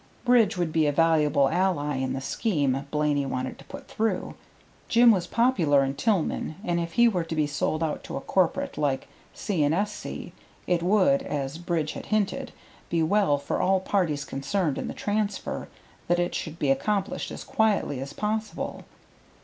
Bridge would be a valuable ally in the scheme Blaney wanted to put through. Jim was popular in Tillman, and if he were to be sold out to a corporation like C. & S.C., it would, as Bridge had hinted, be well for all parties concerned in the transfer that it should be accomplished as quietly as possible.